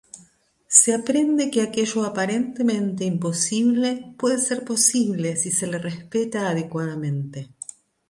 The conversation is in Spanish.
Se aprende que aquello aparentemente imposible, puede ser posible, si se le respeta adecuadamente.